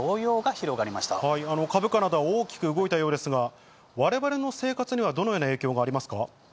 株価などは大きく動いたようですが、われわれの生活にはどのような影響がありますか。